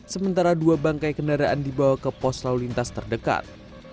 sementara dua bangkai kendaraan dibawa ke pos lalu lintas terdekat